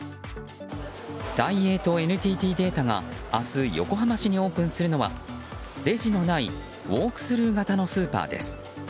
ダイエーとＮＴＴデータが明日、横浜市にオープンするのはレジのないウォークスルー型のスーパーです。